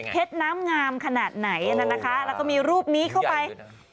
น้ำงามขนาดไหนนะคะแล้วก็มีรูปนี้เข้าไป